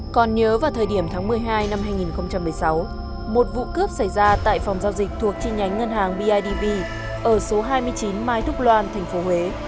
còn nhớ vào thời điểm tháng một mươi hai năm hai nghìn một mươi sáu một vụ cướp xảy ra tại phòng giao dịch thuộc chi nhánh ngân hàng bidv ở số hai mươi chín mai thúc loan tp huế